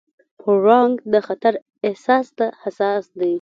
پړانګ د خطر احساس ته حساس دی.